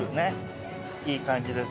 いい感じです。